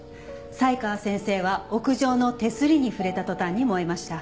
才川先生は屋上の手すりに触れた途端に燃えました。